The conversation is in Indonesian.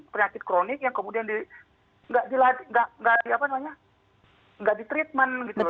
penyakit kronik yang kemudian tidak di treatment dengan baik